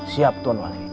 siap tuan wali